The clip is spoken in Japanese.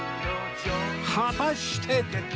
果たして